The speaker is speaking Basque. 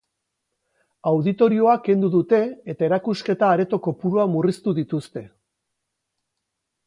Auditorioa kendu dute eta erakusketa areto kopurua murriztu dituzte.